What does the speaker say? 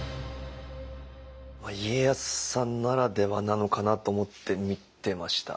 家康さんならではなのかなと思って見てました。